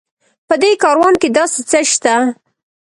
په دې کاروان کې داسې څه شته.